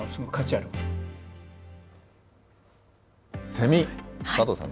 セミ、佐藤さん